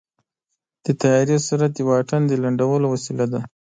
د طیارې سرعت د واټن د لنډولو وسیله ده.